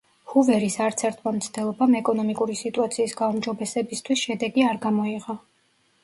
ჰუვერის არცერთმა მცდელობამ ეკონომიკური სიტუაციის გაუმჯობესებისთვის შედეგი არ გამოიღო.